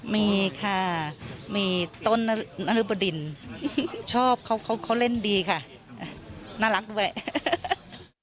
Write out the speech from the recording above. มีค่ะมีต้นนรึบดินชอบเขาเล่นดีค่ะน่ารักด้วย